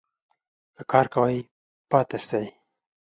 که کار کوی ؟ پاته سئ